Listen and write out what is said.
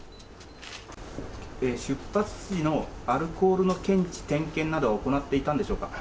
出発時のアルコールの検知、点検などは行っていたんでしょうか。